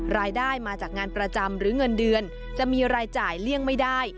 รายได้มาจากงานประจำหรือเงินเดือนจะมีรายจ่ายเลี่ยงไม่ได้